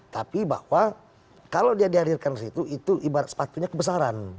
tapi bahwa kalau dia dihadirkan ke situ itu ibarat sepatunya kebesaran